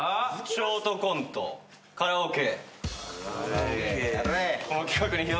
ショートコントカラオケ。